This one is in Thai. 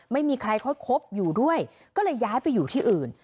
ไม่มีใครเขาคบอยู่ด้วยก็เลยย้ายไปอยู่ที่อื่น